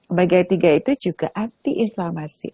omega tiga itu juga anti inflammasi